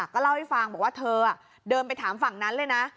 ก็เล่าให้ฟังบอกว่าเธอเดินไปถามฝั่งนั้นเลยนะ